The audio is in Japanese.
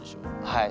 はい。